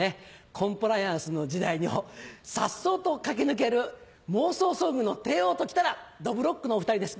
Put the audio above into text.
コンプライアンスの時代をさっそうと駆け抜ける妄想ソングの帝王ときたらどぶろっくのお二人です。